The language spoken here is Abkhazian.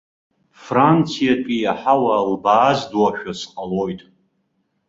Франциатәи аҳауа лбааздошәа сҟалоит.